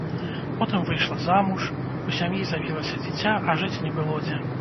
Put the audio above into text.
Потым выйшла замуж, у сям'і з'явілася дзіця, а жыць не было дзе.